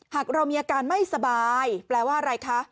หากเรามีอาการไม่สบายแปลว่าอะไรคะ